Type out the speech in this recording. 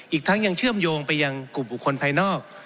อีกทั้งยังเชื่อมโยงไปยังกลุ่มบุคคลภายนอก